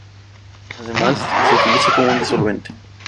Además, se utiliza como un disolvente.